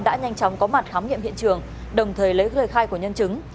đã nhanh chóng có mặt khám nghiệm hiện trường đồng thời lấy lời khai của nhân chứng